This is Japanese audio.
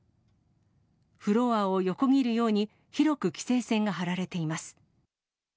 フロアを横切るように、広く規制線が張られています。